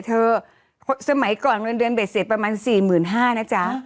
สมัยก่อนเงินเดือนเบ็ดเสร็จประมาณ๔๕๐๐นะจ๊ะ